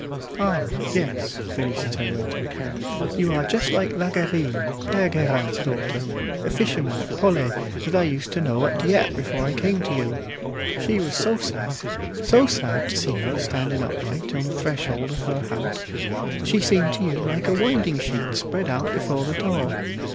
"Ah! yes," Félicité went on, "you are just like La Guerine, Pere Guerin's daughter, the fisherman at Pollet, that I used to know at Dieppe before I came to you. She was so sad, so sad, to see her standing upright on the threshold of her house, she seemed to you like a winding sheet spread out before the door.